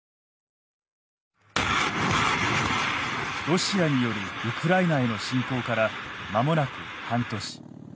ロシアによるウクライナへの侵攻から間もなく半年。